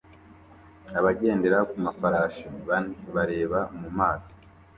Abagendera ku mafarashi bane bareba mu mazi